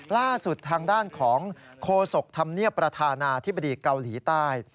ล่าสุดทางด้านของโคศกธรรมเนียบประธานาธิบดีเกาหลีใต้